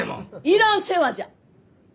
いらん世話じゃ！